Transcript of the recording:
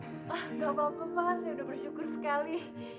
gak apa apa pak saya udah bersyukur sekali